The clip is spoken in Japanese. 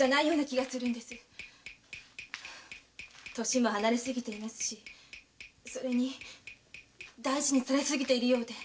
歳も離れすぎていますしそれに大事にされすぎているようで。